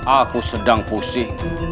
aku sedang pusing